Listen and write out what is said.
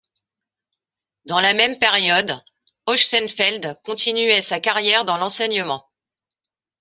Dans la même période, Ochsenfeld continuait sa carrière dans l'enseignement.